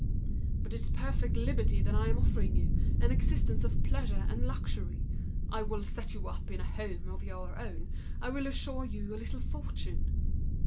"But it's perfect liberty that I am offering you, an existence of pleasure and luxury. I will set you up in a home of your own. I will assure you a little fortune."